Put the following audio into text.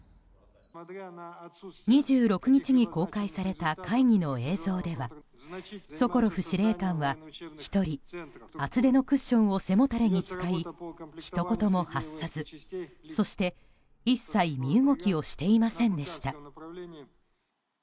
２６日に公開された会議の映像ではソコロフ司令官は１人、厚手のクッションを背もたれに使いひと言も発さずそして一切身動きをしていませんでした。